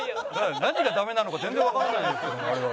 何がダメなのか全然わからないんですけども我々。